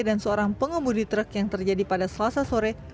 dan seorang pengemudi truk yang terjadi pada selasa sore